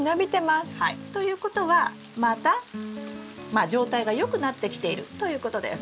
ということはまた状態が良くなってきているということです。